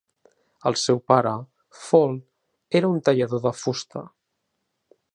El seu pare, Faulle, era un tallador de fusta.